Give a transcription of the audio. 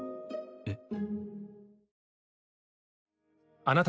えっ？